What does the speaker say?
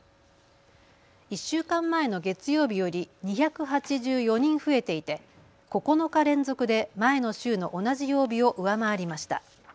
１週間前の月曜日より２８４人増えていて９日連続で前の週の同じ曜日を上回りました。